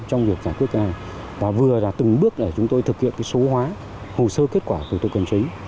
trong việc giải quyết và vừa là từng bước để chúng tôi thực hiện số hóa hồ sơ kết quả thủ tục hành chính